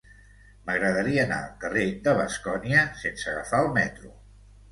M'agradaria anar al carrer de Bascònia sense agafar el metro.